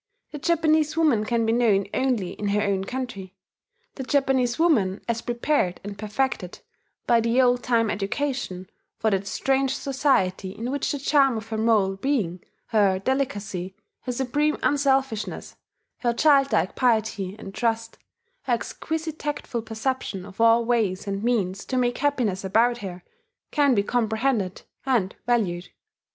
The Japanese woman can be known only in her own country, the Japanese woman as prepared and perfected by the old time education for that strange society in which the charm of her moral being, her delicacy, her supreme unselfishness, her child like piety and trust, her exquisite tactful perception of all ways and means to make happiness about her, can be comprehended and valued.